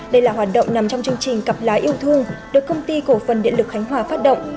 đây là hoạt động nằm trong chương trình cặp lái yêu thương được công ty cổ phần điện lực khánh hòa phát động